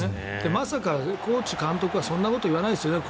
まさかコーチ、監督はそんなこと言わないですよね。